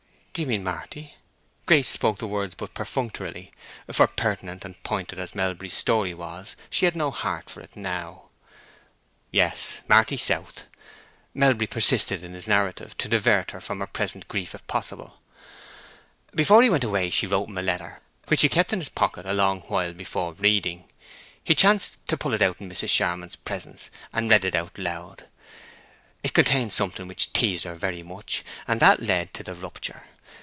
"Do you mean Marty?" Grace spoke the words but perfunctorily. For, pertinent and pointed as Melbury's story was, she had no heart for it now. "Yes. Marty South." Melbury persisted in his narrative, to divert her from her present grief, if possible. "Before he went away she wrote him a letter, which he kept in his, pocket a long while before reading. He chanced to pull it out in Mrs. Charmond's, presence, and read it out loud. It contained something which teased her very much, and that led to the rupture.